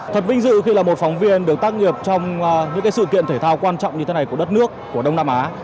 thật vinh dự khi là một phóng viên được tác nghiệp trong những sự kiện thể thao quan trọng như thế này của đất nước của đông nam á